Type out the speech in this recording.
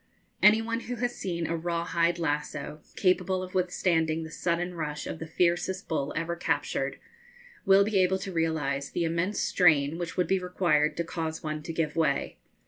Any one who has seen a raw hide lasso, capable of withstanding the sudden rush of the fiercest bull ever captured, will be able to realise the immense strain which would be required to cause one to give way.